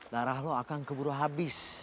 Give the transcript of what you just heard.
darah lo akan keburu habis